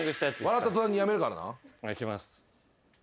笑った途端にやめるからな。